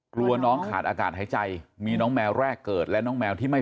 กลัวน้องขาดอากาศหายใจมีน้องแมวแรกเกิดและน้องแมวที่ไม่